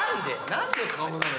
何の顔なの？